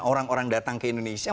orang orang datang ke indonesia